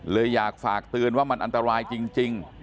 เลยอยากฝากเตือนว่ามันอันตรายจริง